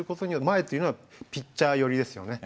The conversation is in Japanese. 前というのはピッチャー寄りですよね。